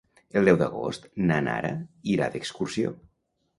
El deu d'agost na Nara irà d'excursió.